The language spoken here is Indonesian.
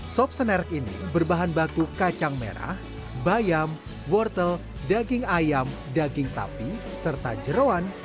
sop senerak ini berbahan baku kacang merah bayam wortel daging ayam daging sapi serta jerawan